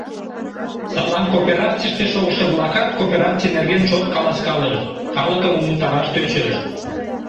Садлан кооперацийыште шогышо-влакат коопераций нерген чот каласкалышт, калыкым умылтараш тӧчышт.